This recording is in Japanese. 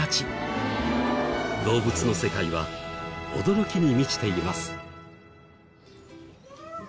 動物の世界は驚きに満ちています。